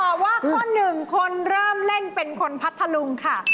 ว่าข้อหนึ่งคนเริ่มเล่นเป็นคนพัทธลุงค่ะ